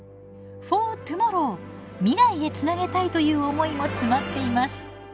フォートゥモロー未来へつなげたいという思いも詰まっています。